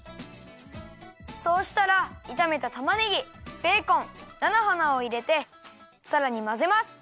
そうしたらいためたたまねぎベーコンなのはなをいれてさらにまぜます。